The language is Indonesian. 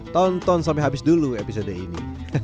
tonton sampai habis dulu episode ini